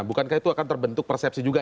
bukankah itu akan terbentuk persepsi juga